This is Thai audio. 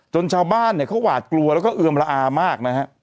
ชาวบ้านเนี่ยเขาหวาดกลัวแล้วก็เอือมละอามากนะฮะ